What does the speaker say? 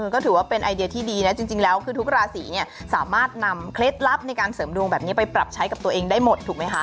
ก็ถือว่าเป็นไอเดียที่ดีนะจริงแล้วคือทุกราศีเนี่ยสามารถนำเคล็ดลับในการเสริมดวงแบบนี้ไปปรับใช้กับตัวเองได้หมดถูกไหมคะ